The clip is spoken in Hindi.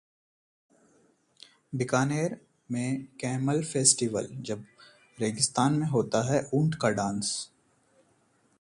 बीकानेर का कैमल फेस्टिवल: जब रेगिस्तान में होता है ऊंट का डांस